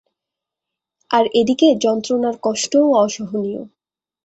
আর এদিকে যন্ত্রণার কষ্টও অসহনীয়।